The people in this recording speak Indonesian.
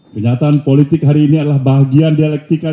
kenyataan politik hari ini adalah bagian dialektikan